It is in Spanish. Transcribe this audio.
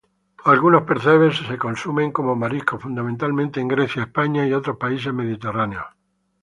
Algunos percebes son consumidos como marisco, fundamentalmente en Grecia, España y otros países mediterráneos.